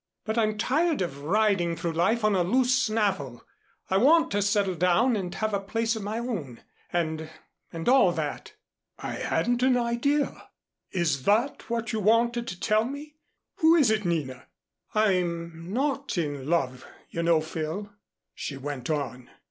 "But I'm tired of riding through life on a loose snaffle. I want to settle down and have a place of my own and and all that." "I hadn't an idea. Is that what you wanted to tell me? Who is it, Nina?" "I'm not in love, you know, Phil," she went on.